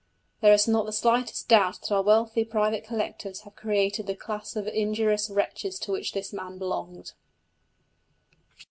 There is not the slightest doubt that our wealthy private collectors have created the class of injurious wretches to which this man belonged.